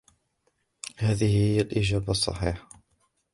هذه هي الإجابة الصحيحة.